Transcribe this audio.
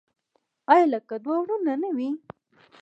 آیا لکه دوه ورونه نه وي؟